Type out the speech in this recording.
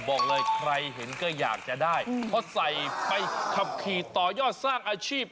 บอกเลยใครเห็นก็อยากจะได้เพราะใส่ไปขับขี่ต่อยอดสร้างอาชีพ